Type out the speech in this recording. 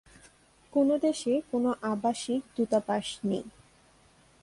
কোনও দেশে কোনও আবাসিক দূতাবাস নেই।